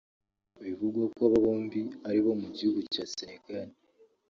aho bivugwa ko aba bombi ari abo mu gihugu cya Senegal